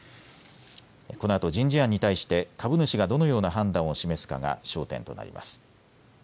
このあと人事案に対して株主がどのような判断を示すかが焦点となります。